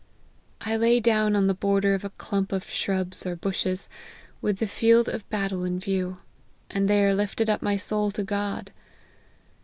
I lay down on the border of a clump of shrubs or bushes, with the field of battle in view, and there lifted up my soul to God.